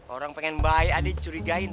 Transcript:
orang pengen bayi aneh dicurigain